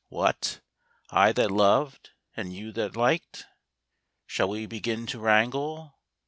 What! I that loved, and you that liked, Shall we begin to wrangle?